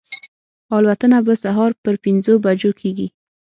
الوتنه به سهار پر پنځو بجو کېږي.